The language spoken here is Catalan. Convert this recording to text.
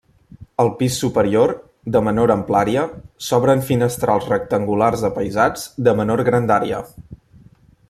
Al pis superior, de menor amplària, s'obren finestrals rectangulars apaïsats de menor grandària.